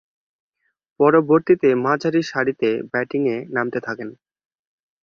পরবর্তীতে মাঝারি সারিতে ব্যাটিংয়ে নামতে থাকেন।